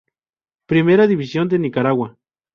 Primera División de Nicaragua.